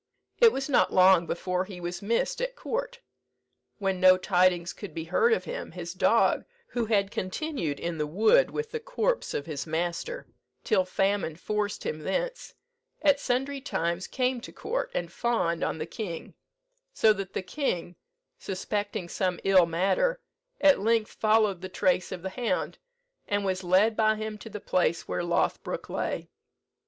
It was not long before he was missed at court. When no tidings could be heard of him, his dog, who had continued in the wood with the corpse of his master, till famine forced him thence, at sundry times came to court, and fawned on the king; so that the king, suspecting some ill matter, at length followed the trace of the hound, and was led by him to the place where Lothbroke lay.